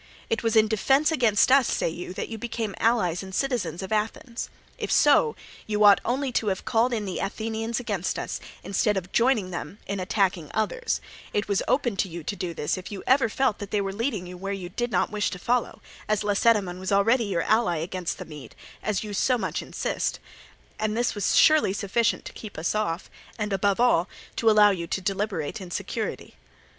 It was in defence against us, say you, that you became allies and citizens of Athens. If so, you ought only to have called in the Athenians against us, instead of joining them in attacking others: it was open to you to do this if you ever felt that they were leading you where you did not wish to follow, as Lacedaemon was already your ally against the Mede, as you so much insist; and this was surely sufficient to keep us off, and above all to allow you to deliberate in security.